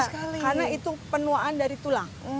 nggak ada karena itu penuaan dari tulang